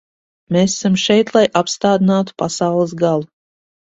Mēs esam šeit, lai apstādinātu pasaules galu.